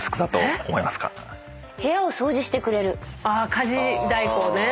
家事代行ね。